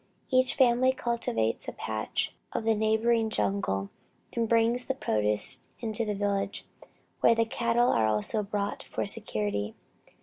Each family cultivates a patch of the neighboring jungle, and brings the produce into the village, where the cattle are also brought for security.